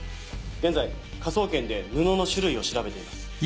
現在科捜研で布の種類を調べています。